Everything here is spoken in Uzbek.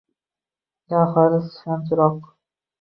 Gavhari shamchiroq